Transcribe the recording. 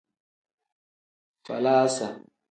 Falaasa.